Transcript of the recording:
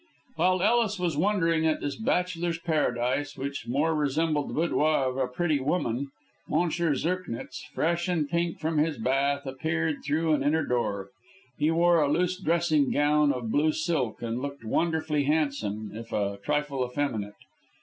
While Ellis was wondering at this bachelor's paradise, which more resembled the boudoir of a pretty woman, M. Zirknitz, fresh and pink from his bath, appeared through an inner door. He wore a loose dressing gown of blue silk, and looked wonderfully handsome, if a trifle effeminate.